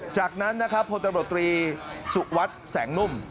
จากนั้นนะครับโพธิบัตรบริสุวัตรแสงนุ่ม